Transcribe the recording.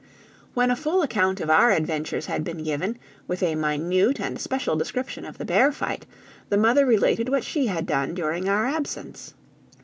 When a full account of our adventures had been given, with a minute and special description of the bear fight, the mother related what she had done during our absence.